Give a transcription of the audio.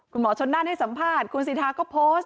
คุณหมอชนนั่นให้สัมภาษณ์คุณสิทธาก็โพสต์